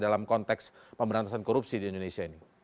dalam konteks pemberantasan korupsi di indonesia ini